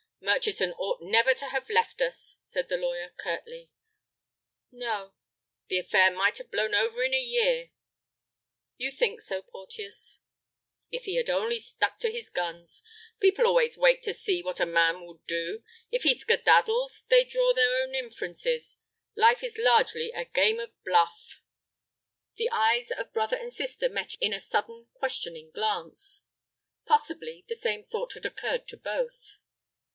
"Murchison ought never to have left us," said the lawyer, curtly. "No." "The affair might have blown over in a year." "You think so, Porteus." "If he had only stuck to his guns. People always wait to see what a man will do. If he skedaddles they draw their own inferences. Life is largely a game of bluff." The eyes of brother and sister met in a sudden questioning glance. Possibly the same thought had occurred to both.